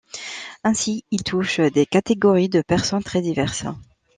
Ainsi, il touche des catégories de personnes très diverses.